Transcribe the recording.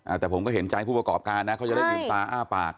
แต่ผมก็เห็นใจผู้ประกอบการนะเขาจะได้ลืมตาอ้าปาก